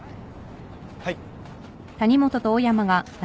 はい。